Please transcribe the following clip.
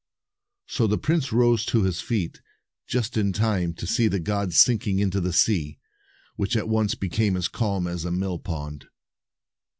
So the prince rose to his feet, just in time to see the god sinking into the sea, which at once became as calm as a mill pond.